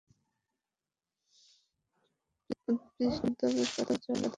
উষ্ট্রীটি তার গন্তব্য পথে চলতে লাগল।